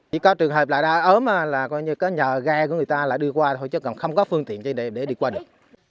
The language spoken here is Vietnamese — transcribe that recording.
chỉ có trường hợp là ớm là có nhà gai của người ta lại đi qua thôi chứ không có phương tiện gì để đi qua được